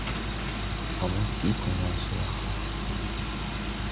A mo tiʼ ko may so la.